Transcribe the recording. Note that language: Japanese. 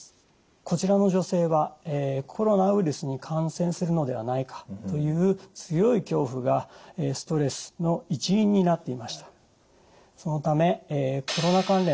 こちらの女性はコロナウイルスに感染するのではないかという強い恐怖がストレスの一因になっていました。